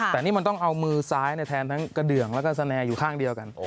แต่นี่มันต้องเอามือซ้ายแทนทั้งกระเดืองแล้วก็สแอร์อยู่ข้างเดียวกัน